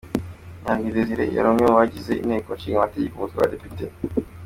Nyandwi Desire yari umwe mu bagize inteko ishinga amategeko umutwe w'abadepite.